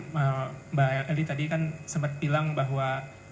mbak eli tadi kan sempat bilang bahwa